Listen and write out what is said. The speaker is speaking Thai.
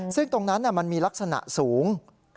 ซึ่งตรงนั้นมันมีลักษณะสูง